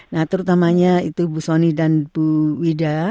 nah terutamanya itu bu sony dan bu wida